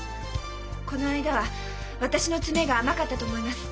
この間は私の詰めが甘かったと思います。